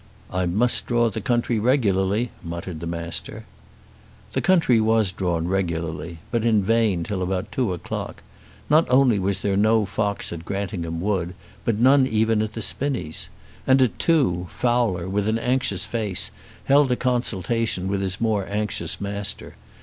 "I must draw the country regularly," muttered the Master. The country was drawn regularly, but in vain till about two o'clock. Not only was there no fox at Grantingham Wood, but none even at the Spinnies. And at two, Fowler, with an anxious face, held a consultation with his more anxious Master.